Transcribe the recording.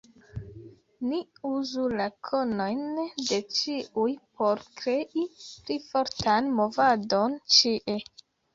Ni uzu la konojn de ĉiuj por krei pli fortan movadon ĉie.